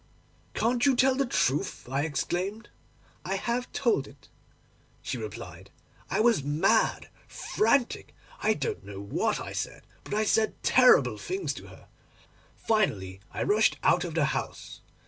—"Can't you tell the truth?" I exclaimed. "I have told it," she replied. I was mad, frantic; I don't know what I said, but I said terrible things to her. Finally I rushed out of the house.